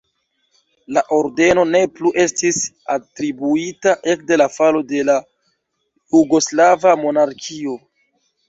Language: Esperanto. La ordeno ne plu estis atribuita ekde la falo de la jugoslava monarkio.